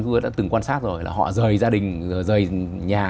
cũng như đã từng quan sát rồi là họ rời gia đình rời nhà